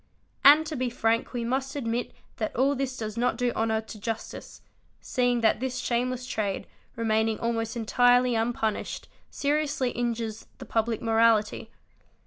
And to be frank we must admit that all this does not do honour to justice seeing that this shameless trade, remaining almost entirely unpunished seriously injuries the public morality.